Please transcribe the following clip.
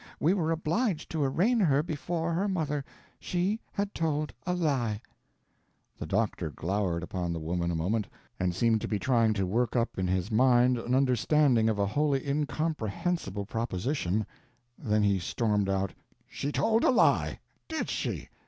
We were obliged to arraign her before her mother. She had told a lie." The doctor glowered upon the woman a moment, and seemed to be trying to work up in his mind an understanding of a wholly incomprehensible proposition; then he stormed out: "She told a lie! _did _she?